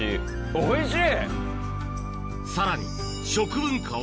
おいしい！